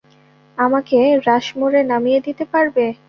আমাকে রাশমোরে নামিয়ে দিতে পারবে?